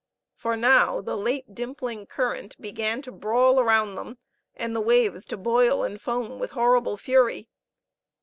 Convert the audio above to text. For now the late dimpling current began to brawl around them, and the waves to boil and foam with horrible fury.